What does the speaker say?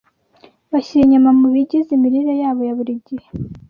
Bashyira inyama mu bigize imirire yabo ya buri gihe.